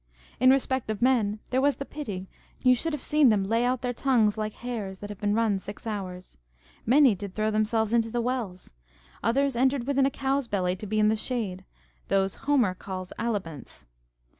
In respect of men, there was the pity, you should have seen them lay out their tongues like hares that have been run six hours. Many did throw themselves into the wells. Others entered within a cow's belly to be in the shade; those Homer calls Alibants.